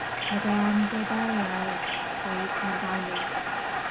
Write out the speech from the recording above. Madame de Belliere's Plate and Diamonds.